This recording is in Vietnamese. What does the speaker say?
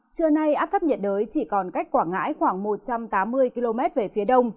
trưa nay áp thấp nhiệt đới chỉ còn cách quảng ngãi khoảng một trăm tám mươi km về phía đông